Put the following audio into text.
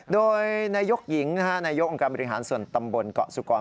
โดยนายกหญิงนายกองค์การบริหารส่วนตำบลเกาะสุกร